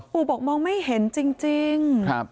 บอกมองไม่เห็นจริง